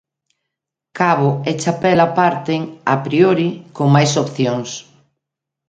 Cabo e Chapela parten, a priori, con máis opcións.